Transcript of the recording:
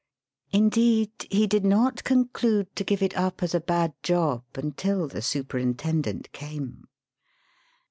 Indeed, he did not conclude to give it up as a bad job until the superintendent came.